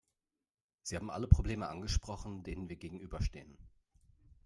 Sie haben alle Probleme angesprochen, denen wir gegenüberstehen.